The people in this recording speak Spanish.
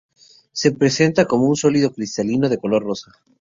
Se presenta como un sólido cristalino de color rosa.